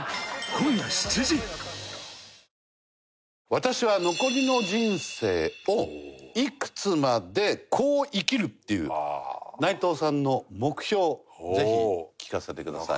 私は残りの人生をいくつまでこう生きるっていう内藤さんの目標をぜひ聞かせてください。